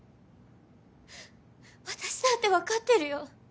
私だって分かってるよ